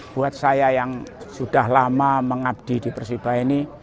buat saya yang sudah lama mengabdi di persiba ini